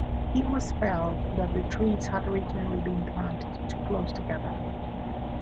It was felt that the trees had originally been planted too close together.